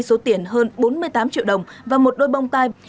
số tiền hơn bốn mươi tám triệu đồng và một đôi bông tai